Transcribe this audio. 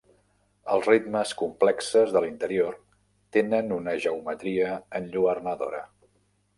Els ritmes complexes de l'interior tenen una geometria enlluernadora.